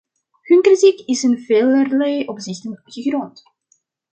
Hun kritiek is in velerlei opzichten gegrond.